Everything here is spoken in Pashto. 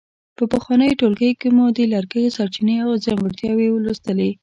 په پخوانیو ټولګیو کې مو د لرګیو سرچینې او ځانګړتیاوې لوستلې.